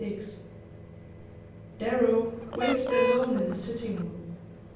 XXVI Darrow waited alone in the sitting room.